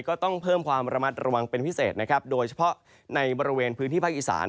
ก็ต้องเพิ่มความระมัดระวังเป็นพิเศษนะครับโดยเฉพาะในบริเวณพื้นที่ภาคอีสาน